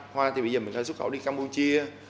khoa thì bây giờ mình đang xuất khẩu đi campuchia